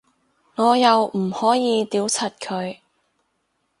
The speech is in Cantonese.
我又唔可以屌柒佢